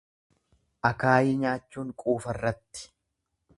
Akaayii nyaachuun quufarratti.